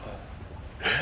えっ？